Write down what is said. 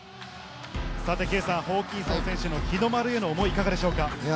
圭さん、ホーキンソン選手の日の丸への思い、いかがでしょうか？